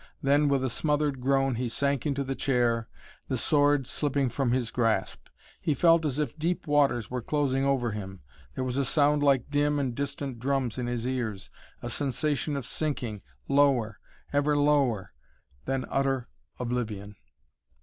Then, with a smothered groan, he sank into the chair, the sword slipping from his grasp. He felt as if deep waters were closing over him. There was a sound like dim and distant drums in his ears, a sensation of sinking, lower, ever lower, then utter oblivion.